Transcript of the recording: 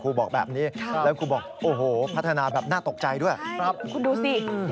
บอกแบบนี้แล้วครูบอกโอ้โหพัฒนาแบบน่าตกใจด้วยครับคุณดูสิ